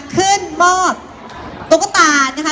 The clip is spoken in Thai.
ขึ้นมอบตุ๊กตานะคะ